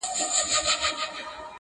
هسي نه چي یې یوې خواته لنګر وي-